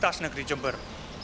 di tas negeri jember